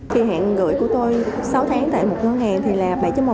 kỳ hạn gửi của tôi sáu tháng tại một ngân hàng thì là bảy một